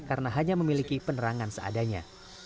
karena hanya memiliki penerangan seadanya